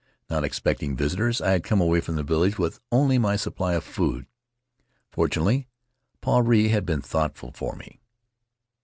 Not expecting visitors, I had come away from the village with only my supply of food. Fortunately, Puarei had been thoughtful for me.